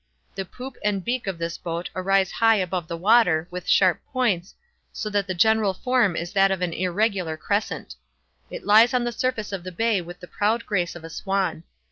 The poop and beak of this boat arise high above the water, with sharp points, so that the general form is that of an irregular crescent. It lies on the surface of the bay with the proud grace of a swan.